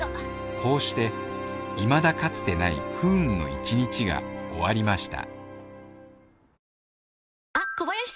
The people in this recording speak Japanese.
こうして未だかつてない不運の１日が終わりました